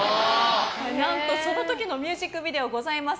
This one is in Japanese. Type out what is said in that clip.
何とその時のミュージックビデオがございます。